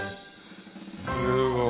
すごい！